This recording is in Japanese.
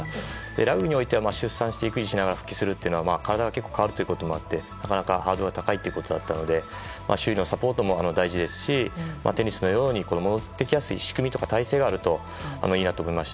ラグビーにおいては出産しながら育児をするというのは体が変わるのでなかなかハードルが高いということだったので周囲のサポートも大事ですしテニスのように戻ってきやすい仕組み、体制があるといいなと思いました。